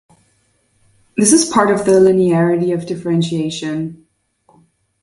This is a part of the linearity of differentiation.